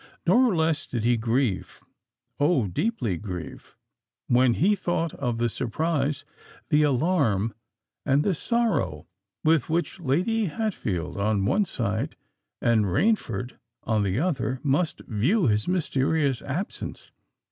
Nor less did he grieve—Oh! deeply grieve, when he thought of the surprise—the alarm—and the sorrow with which Lady Hatfield on one side and Rainford on the other must view his mysterious absence.